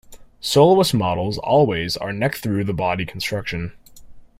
Soloist models always are neck-thru the body construction.